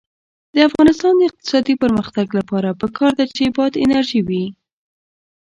د افغانستان د اقتصادي پرمختګ لپاره پکار ده چې باد انرژي وي.